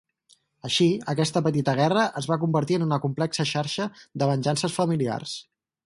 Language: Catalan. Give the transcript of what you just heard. Així, aquesta petita guerra es va convertir en una complexa xarxa de venjances familiars.